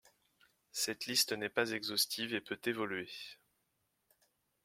Cette liste n'est pas exhaustive et peut évoluer.